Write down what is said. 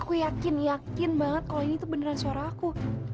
aku yakin yakin banget kalau ini tuh beneran suara aku